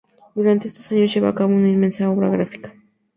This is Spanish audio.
Durante estos años lleva a cabo una intensa obra gráfica.